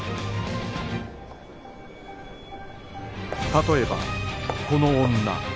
例えばこの女